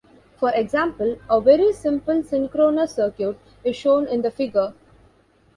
For example, a very simple synchronous circuit is shown in the figure.